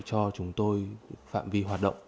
cho chúng tôi phạm vi hoạt động